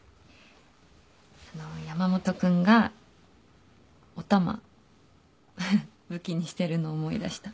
あの山本君がお玉フフ武器にしてるの思い出した。